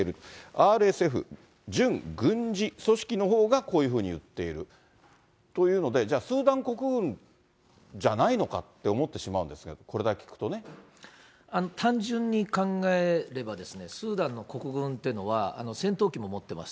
ＲＳＦ準軍事組織のほうがこういうふうに言っているというので、じゃあ、スーダン国軍じゃないのかと思ってしまうんですが、これ単純に考えれば、スーダンの国軍っていうのは、戦闘機も持ってます。